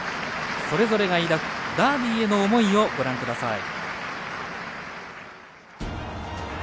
それぞれが抱くダービーへの思いご覧ください。